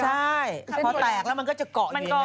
ใช่พอแตกแล้วมันก็จะเกาะอย่างนี้